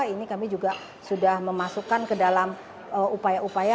ini kami juga sudah memasukkan ke dalam upaya upaya